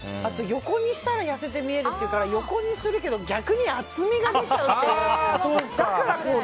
横にしたら痩せて見えるっていうから横にするけど逆に厚みが出ちゃうっていう。